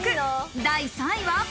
第３位は。